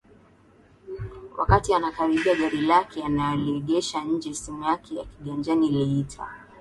Wakati anaikaribia gari yake aloegesha nje simu yake ya kiganjani iliita